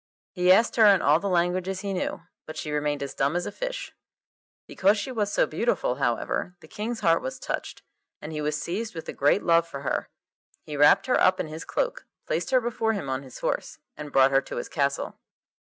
He asked her in all the languages he knew, but she remained as dumb as a fish. Because she was so beautiful, however, the King's heart was touched, and he was seized with a great love for her. He wrapped her up in his cloak, placed her before him on his horse, and brought her to his castle.